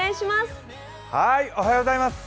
おはようございます。